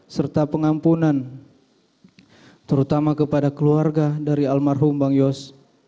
serta pengampunan terutama kepada keluarga dari almarhum bang yos